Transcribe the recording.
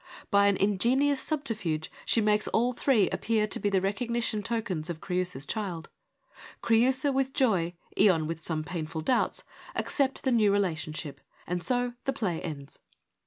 By an ingenious subterfuge she makes all three appear to be the recognition tokens of Creiisa's child. Creiisa with joy, Ion with some painful doubts, accept the new relationship ; and so the play ends.